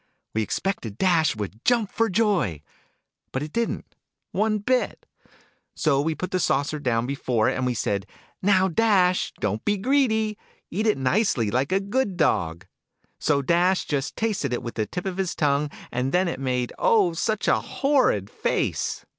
We expected Dash would jump for joy : but it didn't, one bit !" So we put the saucer down before it, and we said * Now, Dash, don't be greedy ! Eat it nicely, like a good dog !'" So Dash just tasted it with the tip of its tongue : and then it made, oh, such a horrid face